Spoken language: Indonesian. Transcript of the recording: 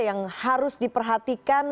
yang harus diperhatikan